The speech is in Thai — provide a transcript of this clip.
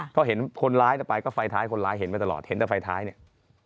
เพราะเห็นคนร้ายแต่ไปก็ไฟท้ายคนร้ายเห็นมาตลอดเห็นแต่ไฟท้ายเนี่ย